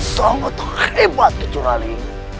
sangat hebat kecuali